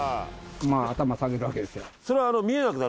頭下げるわけですよ。